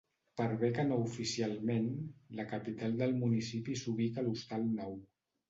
Per bé que no oficialment, la capital del municipi s'ubica a l'Hostal Nou.